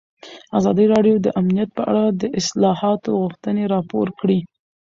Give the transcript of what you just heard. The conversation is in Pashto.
ازادي راډیو د امنیت په اړه د اصلاحاتو غوښتنې راپور کړې.